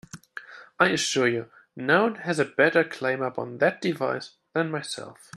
I assure you, none has a better claim upon that device than myself.